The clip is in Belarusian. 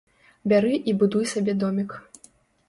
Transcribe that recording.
Бяры і будуй сабе домік.